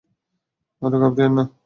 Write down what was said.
আরে ঘাবড়িয়েন না।